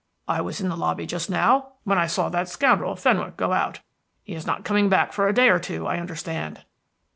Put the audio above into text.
"I was in the lobby just now, when I saw that scoundrel, Fenwick, go out. He is not coming back for a day or two, I understand."